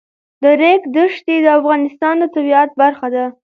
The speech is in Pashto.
د ریګ دښتې د افغانستان د طبیعت برخه ده.